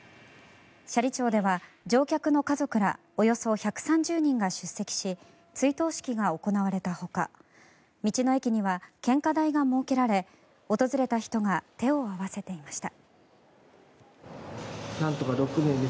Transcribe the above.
斜里町では乗客の家族らおよそ１３０人が出席し追悼式が行われたほか道の駅には献花台が設けられ訪れた人が手を合わせていました。